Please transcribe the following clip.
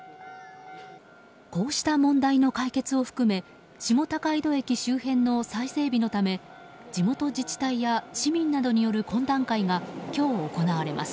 こうした問題の解決を含め下高井戸駅周辺の再整備のため地元自治体や市民などによる懇談会が今日行われます。